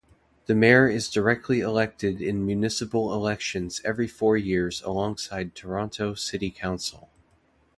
The mayor is directly-elected in municipal elections every four years alongside Toronto City Council.